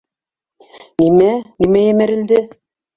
— Нимә, нимә емерелде?